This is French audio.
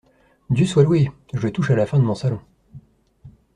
Dieu soit loué ! je touche à la fin de mon Salon.